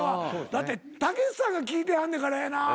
だってたけしさんが聞いてはんねんからやな。